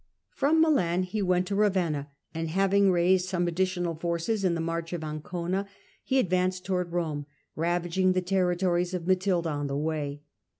Prom to Italy, 1081 Milan he went to Ravenna, and having raised some additional forces in the March of Ancona, he ad vanced towards Rome, ravaging the territories of Matilda on the way.